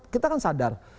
kita kan sadar